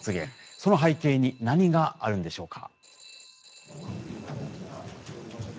その背景に何があるんでしょうか。